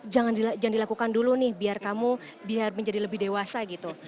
jangan dilakukan dulu nih biar kamu biar menjadi lebih dewasa gitu